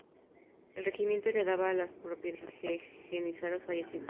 El regimiento heredaba las propiedades de los jenízaros fallecidos.